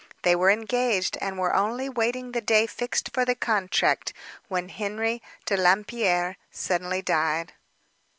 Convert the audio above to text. They were engaged, and were only waiting the day fixed for the contract, when Henry de Lampierre suddenly died.